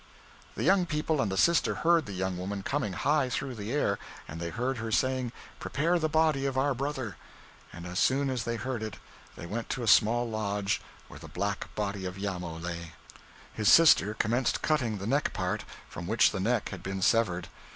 The young people and the sister heard the young woman coming high through the air, and they heard her saying: 'Prepare the body of our brother.' And as soon as they heard it, they went to a small lodge where the black body of Iamo lay. His sister commenced cutting the neck part, from which the neck had been severed.